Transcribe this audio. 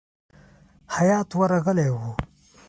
هیات ورغلی وو.